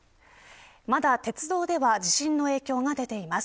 まだ鉄道では地震の影響が出ています。